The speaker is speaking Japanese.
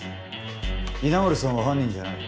稲森さんは犯人じゃない。